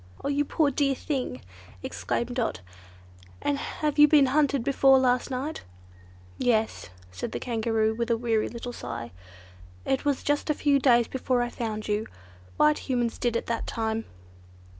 "Oh! you poor dear thing!" exclaimed Dot, "and have you been hunted before last night?" "Yes," said the Kangaroo with a little weary sigh. "It was just a few days before I found you. White Humans did it that time."